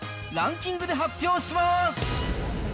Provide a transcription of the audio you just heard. ランキングで発表します。